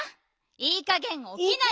いいかげんおきないと。